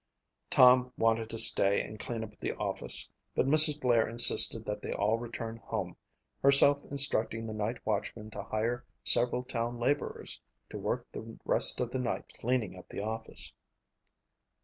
Tom wanted to stay and clean up the office but Mrs. Blair insisted that they all return home, herself instructing the night watchman to hire several town laborers to work the rest of the night cleaning up the office.